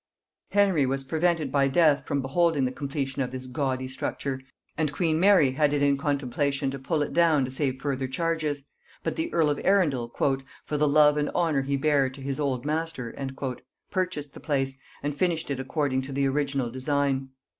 Henry was prevented by death from beholding the completion of this gaudy structure, and queen Mary had it in contemplation to pull it down to save further charges; but the earl of Arundel, "for the love and honor he bare to his old master," purchased the place, and finished it according to the original design.